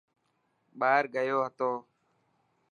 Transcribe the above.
ٻاهر گيو ٿو.